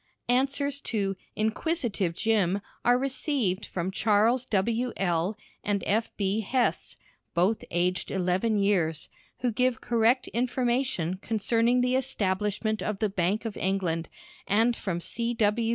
Answers to "Inquisitive Jim" are received from Charles W. L., and F. B. Hesse (both aged eleven years), who give correct information concerning the establishment of the Bank of England, and from C. W.